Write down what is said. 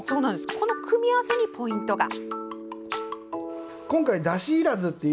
この組み合わせにポイントが。